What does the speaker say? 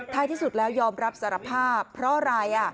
ที่สุดแล้วยอมรับสารภาพเพราะอะไร